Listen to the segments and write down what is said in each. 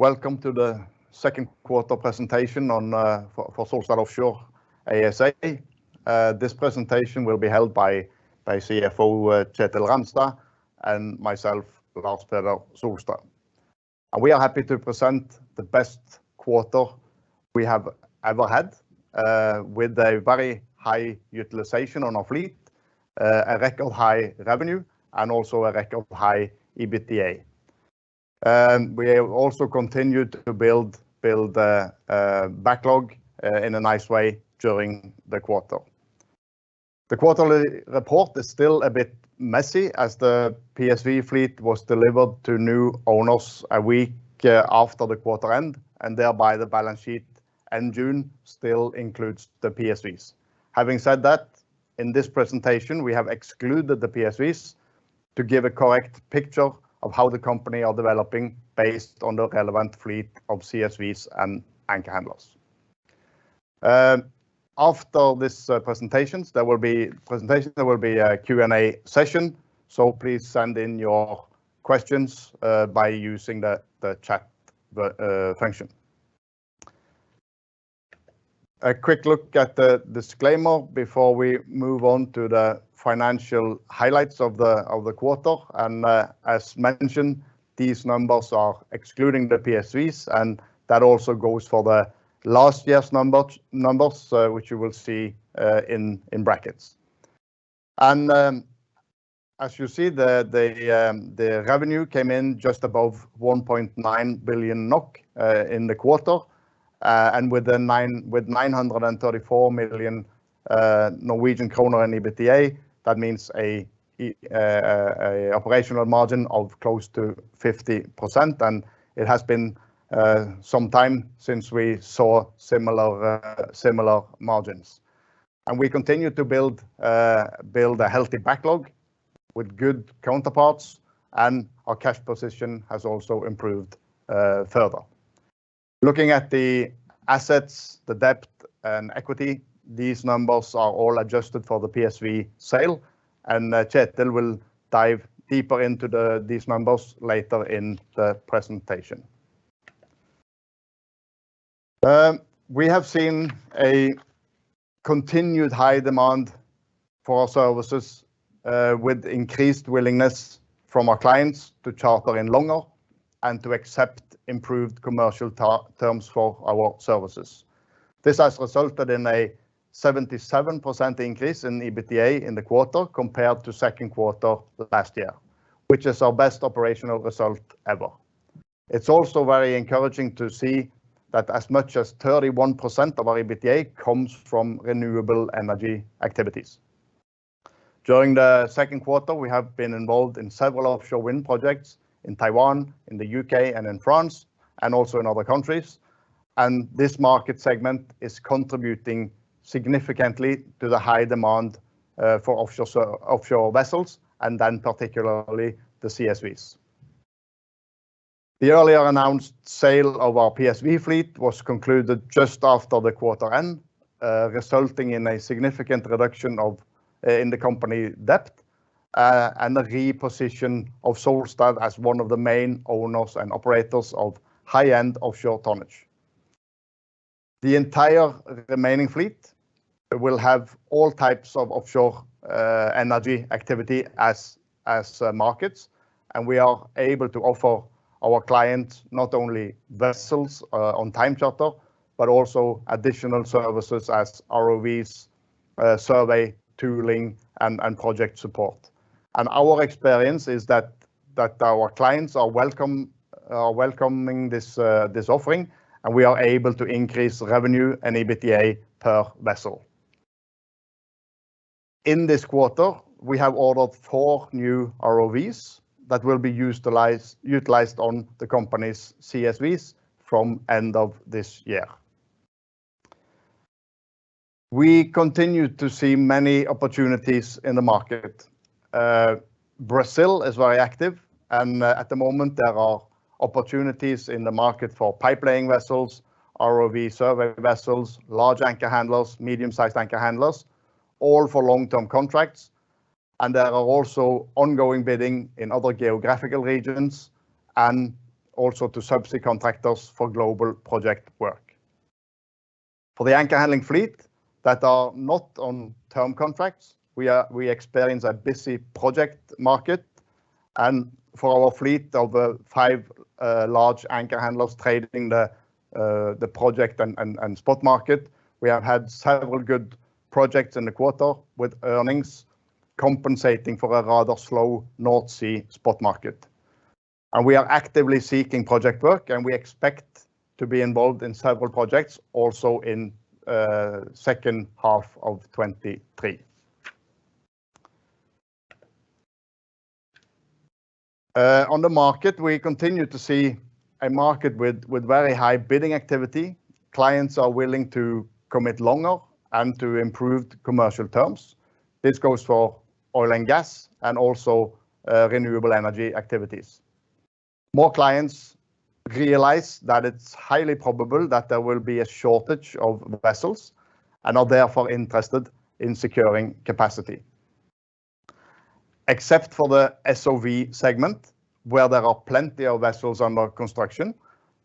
Welcome to the Q2 presentation for Solstad Offshore ASA. This presentation will be held by CFO Kjetil Ramstad and myself, Lars Peder Solstad. We are happy to present the best quarter we have ever had, with a very high utilization on our fleet, a record high revenue, and also a record high EBITDA. We have also continued to build a backlog in a nice way during the quarter. The quarterly report is still a bit messy, as the PSV fleet was delivered to new owners a week after the quarter end, and thereby the balance sheet in June still includes the PSVs. Having said that, in this presentation, we have excluded the PSVs to give a correct picture of how the company are developing based on the relevant fleet of CSVs and anchor handlers. After this presentation, there will be a Q&A session, so please send in your questions by using the chat function. A quick look at the disclaimer before we move on to the financial highlights of the quarter. As mentioned, these numbers are excluding the PSVs, and that also goes for the last year's numbers, which you will see in brackets. As you see, the revenue came in just above 1.9 billion NOK in the quarter. And with 934 million Norwegian kroner in EBITDA, that means an operational margin of close to 50%, and it has been some time since we saw similar margins. We continue to build a healthy backlog with good counterparts, and our cash position has also improved further. Looking at the assets, the debt, and equity, these numbers are all adjusted for the PSV sale, and Kjetil will dive deeper into these numbers later in the presentation. We have seen a continued high demand for our services, with increased willingness from our clients to charter in longer and to accept improved commercial terms for our services. This has resulted in a 77% increase in EBITDA in the quarter, compared to second quarter of last year, which is our best operational result ever. It's also very encouraging to see that as much as 31% of our EBITDA comes from renewable energy activities. During the second quarter, we have been involved in several offshore wind projects in Taiwan, in the UK, and in France, and also in other countries, and this market segment is contributing significantly to the high demand for offshore vessels, and then particularly the CSVs. The earlier announced sale of our PSV fleet was concluded just after the quarter end, resulting in a significant reduction in the company debt, and a reposition of Solstad as one of the main owners and operators of high-end offshore tonnage. The entire remaining fleet will have all types of offshore energy activity as markets, and we are able to offer our clients not only vessels on time charter, but also additional services as ROVs, survey, tooling, and project support. Our experience is that our clients are welcoming this offering, and we are able to increase revenue and EBITDA per vessel. In this quarter, we have ordered four new ROVs that will be utilized on the company's CSVs from end of this year. We continue to see many opportunities in the market. Brazil is very active, and at the moment, there are opportunities in the market for pipe-laying vessels, ROV survey vessels, large anchor handlers, medium-sized anchor handlers, all for long-term contracts. And there are also ongoing bidding in other geographical regions and also to subsea contractors for global project work. For the anchor handling fleet that are not on term contracts, we experience a busy project market. And for our fleet of five large anchor handlers trading the project and spot market, we have had several good projects in the quarter, with earnings compensating for a rather slow North Sea spot market. We are actively seeking project work, and we expect to be involved in several projects also in second half of 2023. On the market, we continue to see a market with very high bidding activity. Clients are willing to commit longer and to improved commercial terms. This goes for oil and gas, and also renewable energy activities. More clients realize that it's highly probable that there will be a shortage of vessels and are therefore interested in securing capacity.... Except for the SOV segment, where there are plenty of vessels under construction,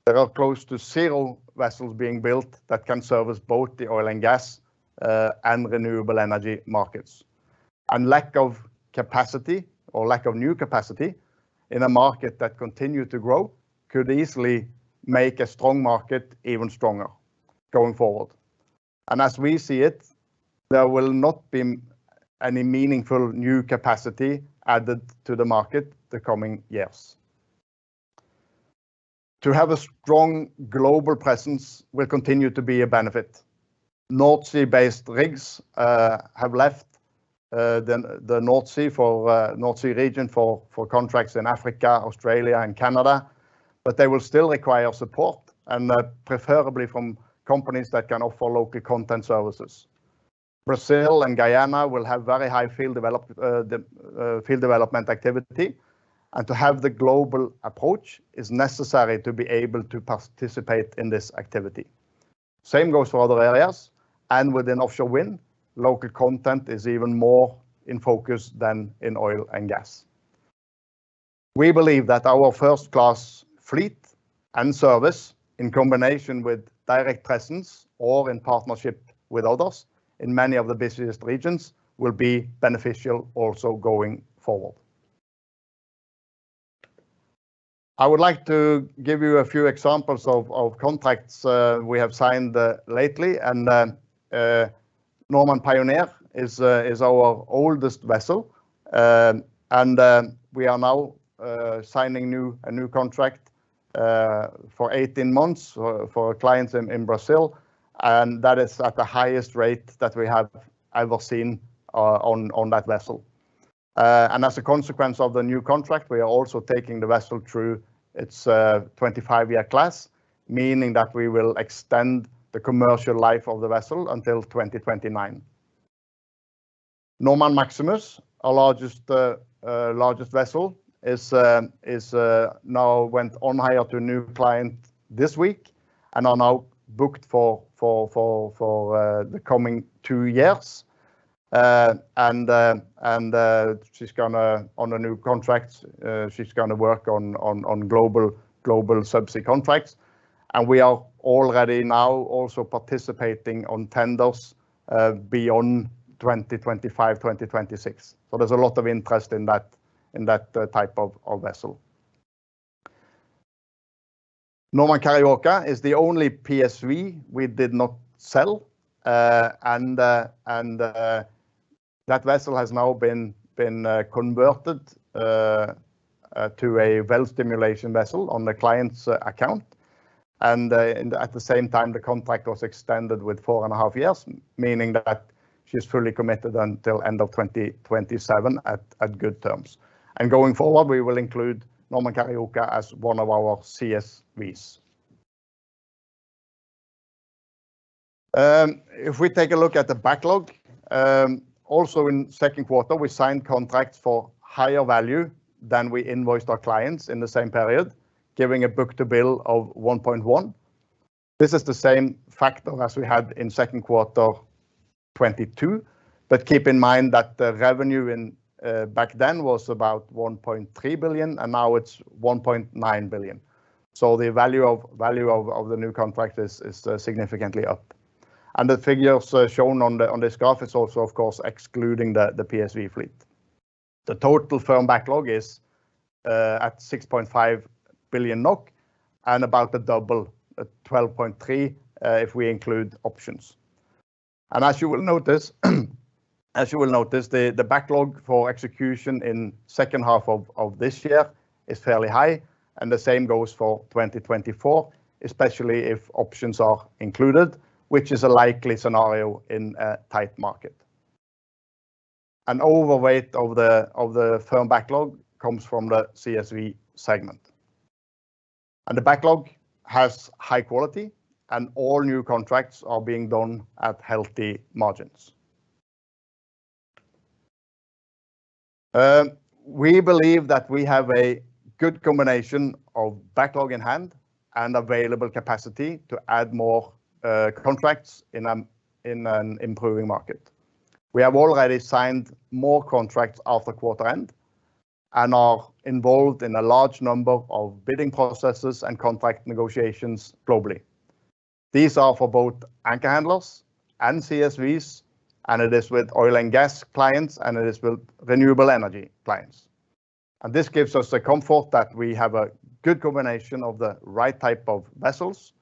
there are close to zero vessels being built that can service both the oil and gas, and renewable energy markets. Lack of capacity or lack of new capacity in a market that continue to grow, could easily make a strong market even stronger going forward. As we see it, there will not be any meaningful new capacity added to the market the coming years. To have a strong global presence will continue to be a benefit. North Sea-based rigs have left the North Sea region for contracts in Africa, Australia, and Canada, but they will still require support, and, preferably from companies that can offer local content services. Brazil and Guyana will have very high field development activity, and to have the global approach is necessary to be able to participate in this activity. Same goes for other areas, and within offshore wind, local content is even more in focus than in oil and gas. We believe that our first-class fleet and service, in combination with direct presence or in partnership with others in many of the busiest regions, will be beneficial also going forward. I would like to give you a few examples of contracts we have signed lately, and Normand Pioneer is our oldest vessel. And we are now signing a new contract for 18 months for clients in Brazil, and that is at the highest rate that we have ever seen on that vessel. And as a consequence of the new contract, we are also taking the vessel through its 25-year class, meaning that we will extend the commercial life of the vessel until 2029. Normand Maximus, our largest vessel, is now went on hire to a new client this week and are now booked for the coming 2 years. And she's gonna, on a new contract, she's gonna work on global subsea contracts. And we are already now also participating on tenders beyond 2025, 2026. So there's a lot of interest in that type of vessel. Normand Carioca is the only PSV we did not sell. That vessel has now been converted to a well stimulation vessel on the client's account. At the same time, the contract was extended with 4.5 years, meaning that she's fully committed until end of 2027 at good terms. Going forward, we will include Normand Carioca as one of our CSVs. If we take a look at the backlog, also in second quarter, we signed contracts for higher value than we invoiced our clients in the same period, giving a book-to-bill of 1.1. This is the same factor as we had in second quarter 2020, but keep in mind that the revenue in back then was about 1.3 billion, and now it's 1.9 billion. So the value of the new contract is significantly up. And the figures shown on this graph is also, of course, excluding the PSV fleet. The total firm backlog is at 6.5 billion NOK, and about double, at 12.3 billion, if we include options. And as you will notice, the backlog for execution in second half of this year is fairly high, and the same goes for 2024, especially if options are included, which is a likely scenario in a tight market. An overweight of the firm backlog comes from the CSV segment. And the backlog has high quality, and all new contracts are being done at healthy margins. We believe that we have a good combination of backlog in hand and available capacity to add more contracts in an improving market. We have already signed more contracts after quarter end and are involved in a large number of bidding processes and contract negotiations globally. These are for both anchor handlers and CSVs, and it is with oil and gas clients, and it is with renewable energy clients. This gives us the comfort that we have a good combination of the right type of vessels,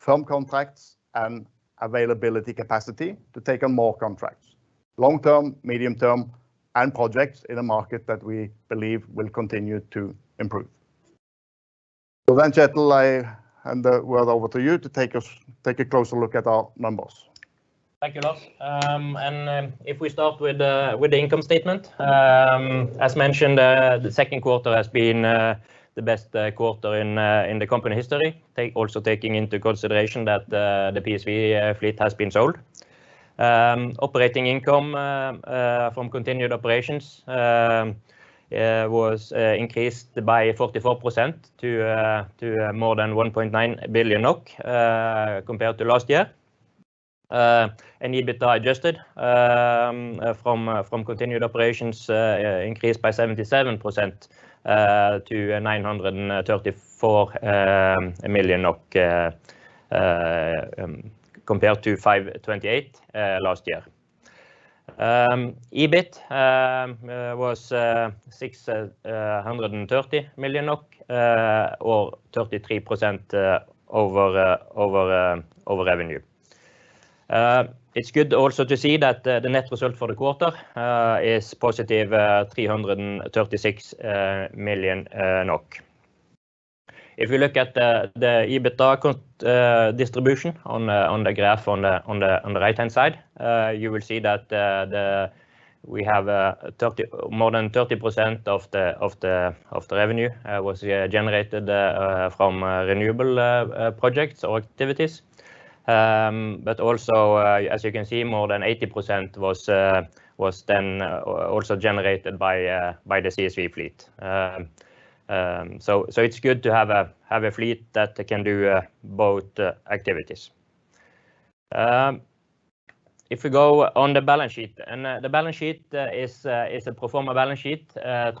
firm contracts, and availability capacity to take on more contracts, long term, medium term, and projects in a market that we believe will continue to improve. So then, Kjetil, I hand the word over to you to take a closer look at our numbers. Thank you, Lars. And if we start with the income statement, as mentioned, the second quarter has been the best quarter in the company history. Also taking into consideration that the PSV fleet has been sold. Operating income from continued operations was increased by 44% to more than 1.9 billion NOK, compared to last year. And EBIT adjusted from continued operations increased by 77% to 934 million, compared to 528 last year. EBIT was 630 million, or 33% over the revenue. It's good also to see that the net result for the quarter is positive 336 million. If you look at the EBITDA distribution on the graph on the right-hand side, you will see that the—we have more than 30% of the revenue was generated from renewable projects or activities. So it's good to have a fleet that can do both activities. If we go on the balance sheet, and the balance sheet is a pro forma balance sheet,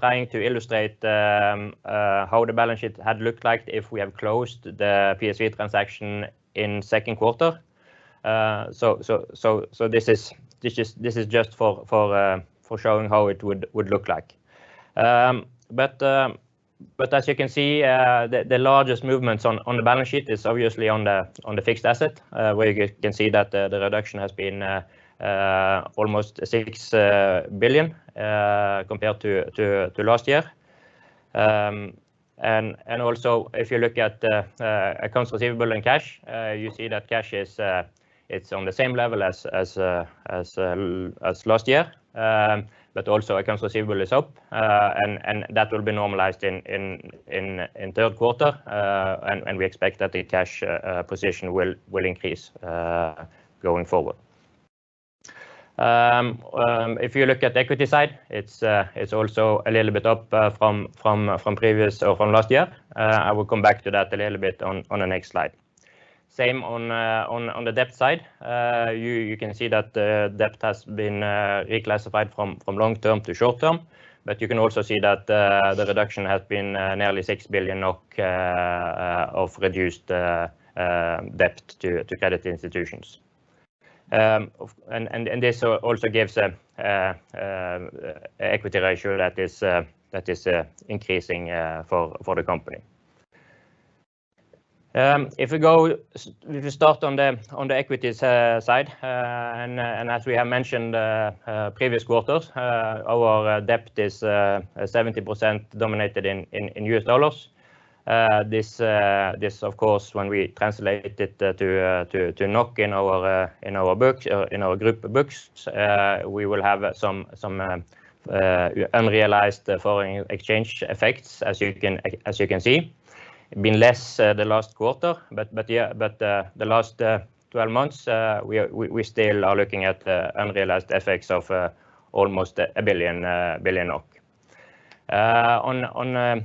trying to illustrate how the balance sheet had looked like if we have closed the PSV transaction in second quarter. So this is just for showing how it would look like. But as you can see, the largest movements on the balance sheet is obviously on the fixed asset, where you can see that the reduction has been almost 6 billion compared to last year. Also, if you look at accounts receivable and cash, you see that cash is on the same level as last year. But also accounts receivable is up, and that will be normalized in third quarter, and we expect that the cash position will increase going forward. If you look at the equity side, it's also a little bit up from previous or last year. I will come back to that a little bit on the next slide. Same on the debt side. You can see that the debt has been reclassified from long term to short term, but you can also see that the reduction has been nearly 6 billion NOK of reduced debt to credit institutions. And this also gives equity ratio that is increasing for the company. If we go- if we start on the equity side, and as we have mentioned previous quarters, our debt is 70% denominated in U.S. dollars. This, of course, when we translate it to NOK in our books, in our group books, we will have some unrealized foreign exchange effects, as you can see. Been less the last quarter, but yeah, but the last 12 months, we still are looking at the unrealized effects of almost 1 billion. On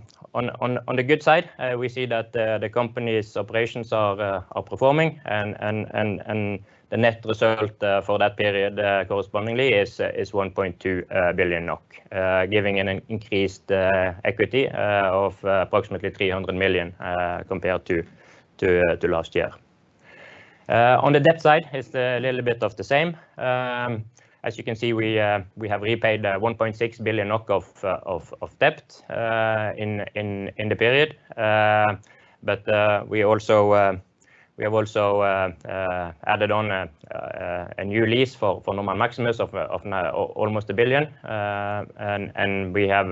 the good side, we see that the company's operations are performing, and the net result for that period correspondingly is 1.2 billion NOK, giving an increased equity of approximately 300 million compared to last year. On the debt side, it's a little bit of the same. As you can see, we have repaid 1.6 billion of debt in the period. But we also have added on a new lease for Normand Maximus of now almost 1 billion. And we have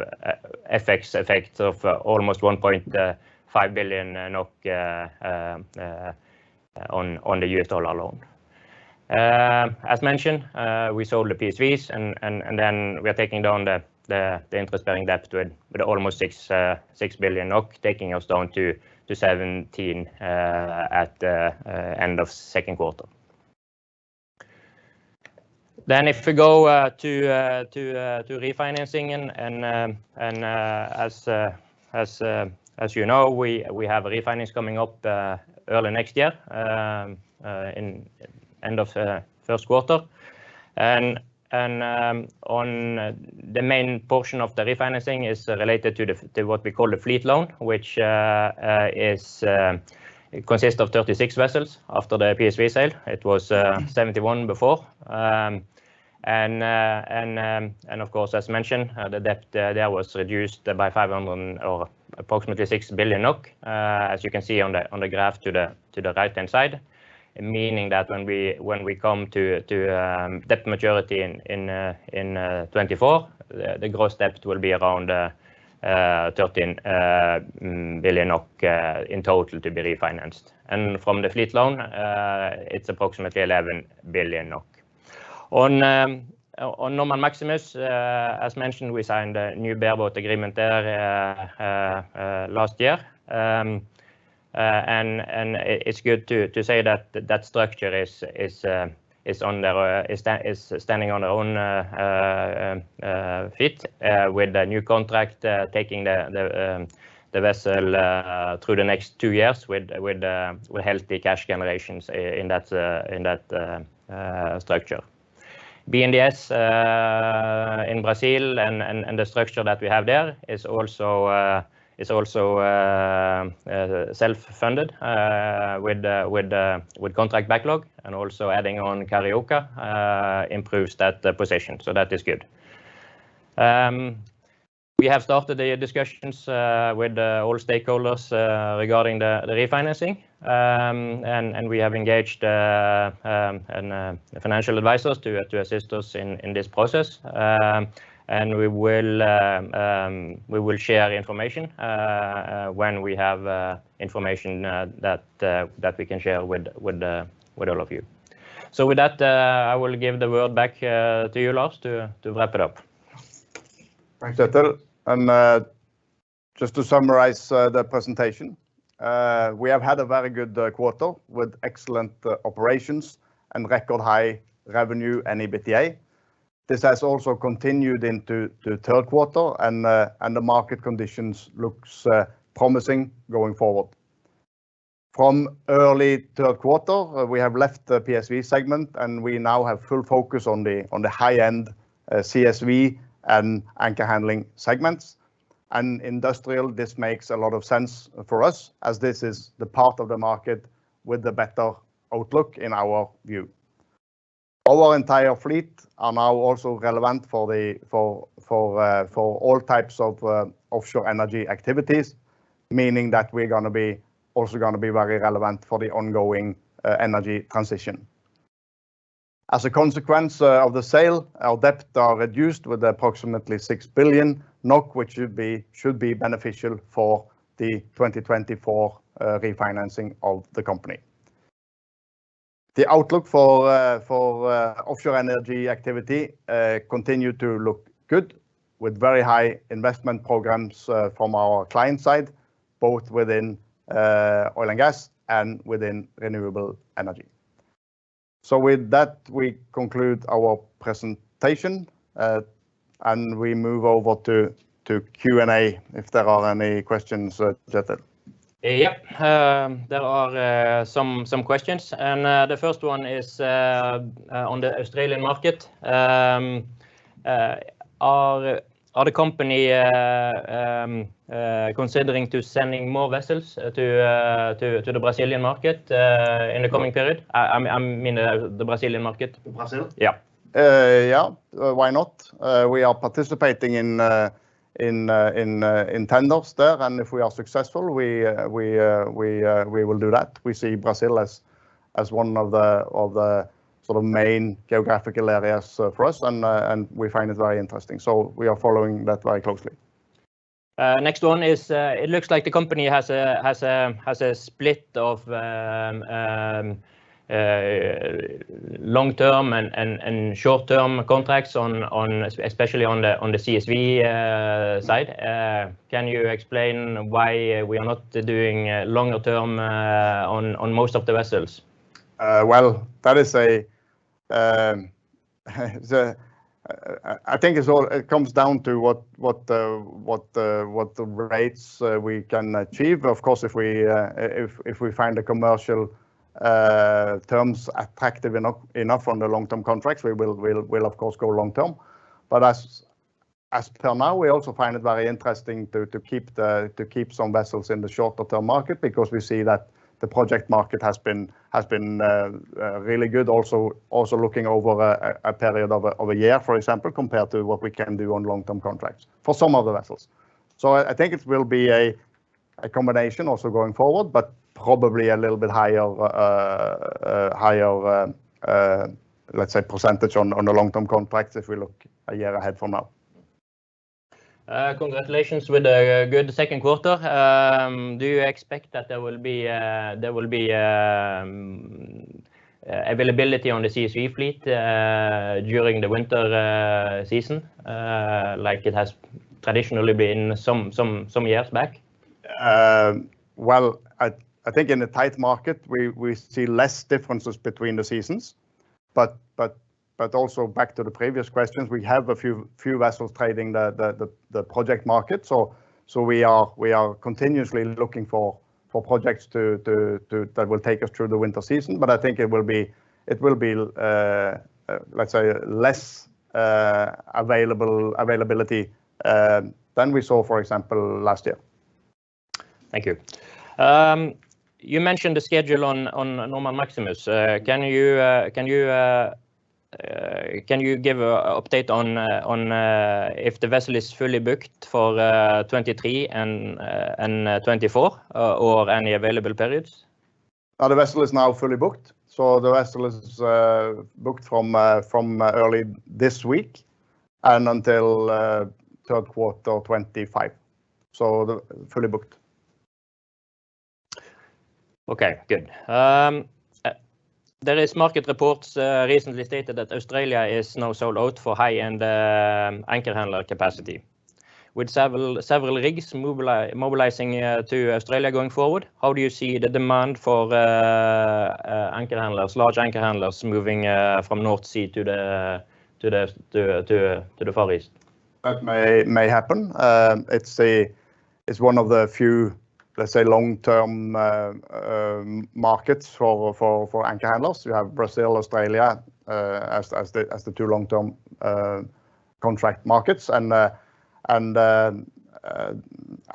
effects of almost 1.5 billion NOK on the US dollar loan. As mentioned, we sold the PSVs, and then we are taking down the interest-bearing debt to almost 6 billion NOK, taking us down to 17 billion at the end of second quarter. Then if we go to refinancing and, as you know, we have a refinance coming up early next year in end of the first quarter. On the main portion of the refinancing is related to the what we call the fleet loan, which consists of 36 vessels after the PSV sale. It was 71 before. And of course, as mentioned, the debt there was reduced by 500 or approximately 6 billion NOK, as you can see on the graph to the right-hand side. Meaning that when we come to debt maturity in 2024, the gross debt will be around 13 billion in total to be refinanced. From the fleet loan, it's approximately NOK 11 billion. On Normand Maximus, as mentioned, we signed a new bareboat agreement there last year. And it's good to say that that structure is standing on its own feet with the new contract taking the vessel through the next two years with healthy cash generations in that structure. BNDES in Brazil and the structure that we have there is also self-funded with contract backlog, and also adding on Carioca improves that position, so that is good. We have started the discussions with all stakeholders regarding the refinancing. And we have engaged financial advisors to assist us in this process. And we will share information when we have information that we can share with all of you. So with that, I will give the word back to you, Lars, to wrap it up. Thanks, Kjetil. And just to summarize the presentation, we have had a very good quarter with excellent operations and record high revenue and EBITDA. This has also continued into the third quarter, and the market conditions looks promising going forward. From early third quarter, we have left the PSV segment, and we now have full focus on the high end CSV and anchor handling segments. And industrial, this makes a lot of sense for us, as this is the part of the market with the better outlook in our view. Our entire fleet are now also relevant for all types of offshore energy activities, meaning that we're gonna be also gonna be very relevant for the ongoing energy transition. As a consequence of the sale, our debt are reduced with approximately 6 billion NOK, which should be, should be beneficial for the 2024 refinancing of the company. The outlook for for offshore energy activity continue to look good, with very high investment programs from our client side, both within oil and gas and within renewable energy. So with that, we conclude our presentation, and we move over to to Q&A, if there are any questions, Kjetil. Yep. There are some questions, and the first one is on the Australian market. Are the company considering to sending more vessels to the Brazilian market in the coming period? I mean, the Brazilian market. Brazil? Yeah. Yeah, why not? We are participating in tenders there, and if we are successful, we will do that. We see Brazil as one of the sort of main geographical areas for us, and we find it very interesting, so we are following that very closely. Next one is, it looks like the company has a split of long-term and short-term contracts on, especially on the CSV side. Can you explain why we are not doing longer term on most of the vessels? Well, I think it all comes down to what the rates we can achieve. Of course, if we find the commercial terms attractive enough on the long-term contracts, we will, of course, go long term. But as per now, we also find it very interesting to keep some vessels in the shorter-term market, because we see that the project market has been really good. Also looking over a period of a year, for example, compared to what we can do on long-term contracts for some of the vessels. So I think it will be a combination also going forward, but probably a little bit higher, let's say, percentage on the long-term contracts if we look a year ahead from now. Congratulations with a good second quarter. Do you expect that there will be availability on the CSV fleet during the winter season, like it has traditionally been some years back? Well, I think in a tight market, we see less differences between the seasons. But also back to the previous questions, we have a few vessels trading the project market. So we are continuously looking for projects that will take us through the winter season, but I think it will be, let's say, less availability than we saw, for example, last year. Thank you. You mentioned the schedule on, on Normand Maximus. Can you give an update on, on, if the vessel is fully booked for 2023 and 2024, or any available periods? The vessel is now fully booked. So the vessel is booked from early this week, and until third quarter 2025, so fully booked. Okay, good. There is market reports recently stated that Australia is now sold out for high-end anchor handler capacity. With several rigs mobilizing to Australia going forward, how do you see the demand for anchor handlers, large anchor handlers, moving from North Sea to the Far East? That may happen. It's one of the few, let's say, long-term markets for anchor handlers. You have Brazil, Australia, as the two long-term contract markets. And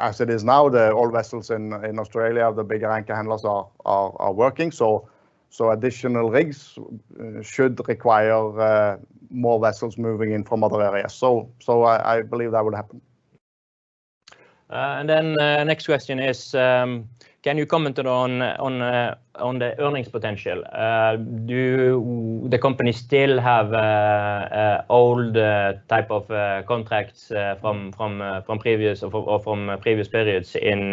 as it is now, the all vessels in Australia, the bigger anchor handlers are working, so additional rigs should require more vessels moving in from other areas. So I believe that would happen. And then, next question is, can you comment on the earnings potential? Do the company still have old type of contracts from previous or from previous periods in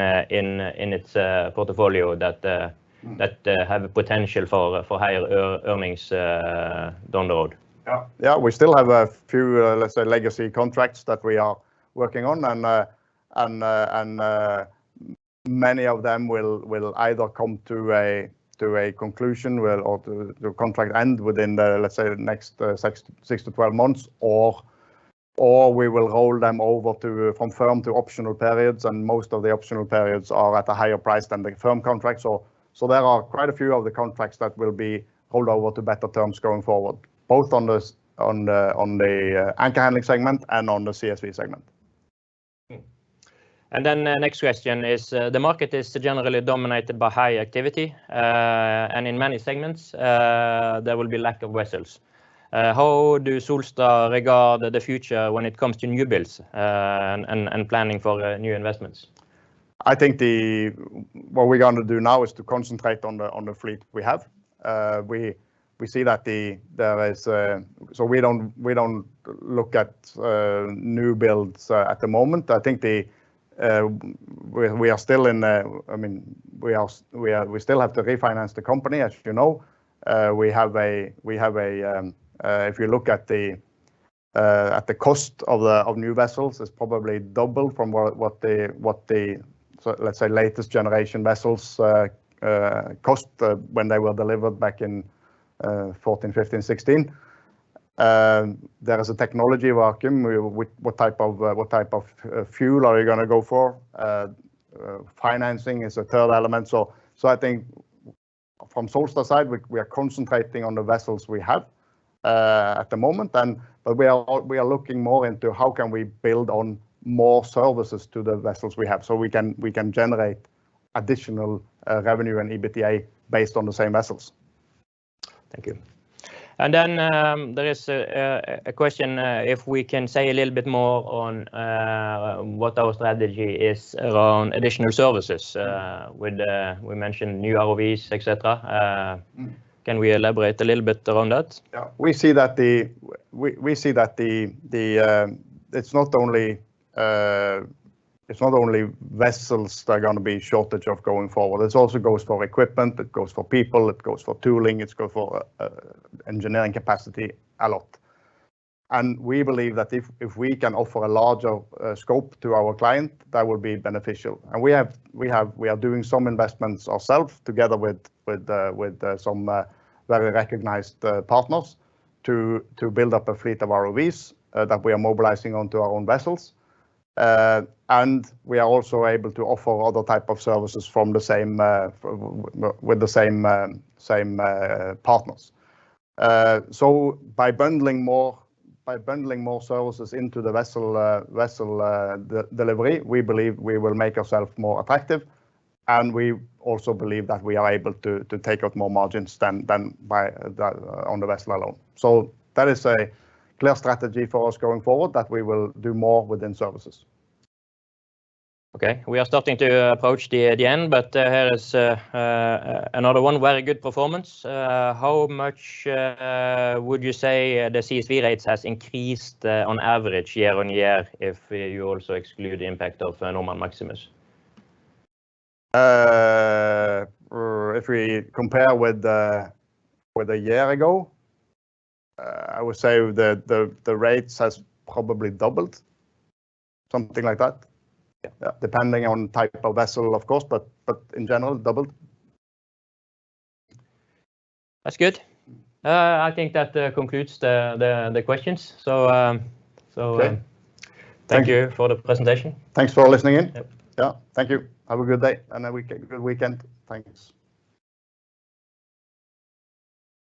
its portfolio that- Mm... that have a potential for higher earnings down the road? Yeah, yeah. We still have a few, let's say, legacy contracts that we are working on. Many of them will either come to a conclusion or the contract end within the, let's say, next six to 12 months, or we will hold them over from firm to optional periods, and most of the optional periods are at a higher price than the firm contracts. There are quite a few of the contracts that will be held over to better terms going forward, both on the anchor handling segment and on the CSV segment. And then the next question is, the market is generally dominated by high activity, and in many segments, there will be lack of vessels. How do Solstad regard the future when it comes to new builds, and planning for new investments? I think what we're going to do now is to concentrate on the fleet we have. We see that there is. So we don't look at new builds at the moment. I think we are still in, I mean, we still have to refinance the company, as you know. If you look at the cost of new vessels, it is probably double from what the, so let's say, latest generation vessels cost when they were delivered back in 2014, 2015, 2016. There is a technology vacuum, with what type of fuel are you going to go for? Financing is a third element. So, I think from Solstad side, we are concentrating on the vessels we have at the moment, and but we are looking more into how can we build on more services to the vessels we have, so we can generate additional revenue and EBITDA based on the same vessels. Thank you. And then, there is a question if we can say a little bit more on what our strategy is around additional services, with we mentioned new ROVs, et cetera. Mm. Can we elaborate a little bit around that? Yeah. We see that the, we see that the, it's not only, it's not only vessels that are going to be in shortage going forward, it also goes for equipment, it goes for people, it goes for tooling, it goes for engineering capacity a lot. And we believe that if we can offer a larger scope to our client, that will be beneficial. And we have, we are doing some investments ourselves together with, with some very recognized partners, to build up a fleet of ROVs that we are mobilizing onto our own vessels. And we are also able to offer other type of services from the same with the same partners. So, by bundling more, by bundling more services into the vessel delivery, we believe we will make ourselves more attractive, and we also believe that we are able to take out more margins than on the vessel alone. So that is a clear strategy for us going forward, that we will do more within services. Okay, we are starting to approach the end, but here is another one, very good performance. How much would you say the CSV rates has increased on average year-over-year, if you also exclude the impact of Normand Maximus? If we compare with a year ago, I would say the rates has probably doubled, something like that. Yeah. Depending on type of vessel, of course, but, but in general, doubled. That's good. I think that concludes the questions. So, Okay. Thank you. Thank you for the presentation. Thanks for listening in. Yep. Yeah, thank you. Have a good day, and have a good weekend. Thanks.